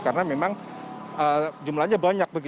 karena memang jumlahnya banyak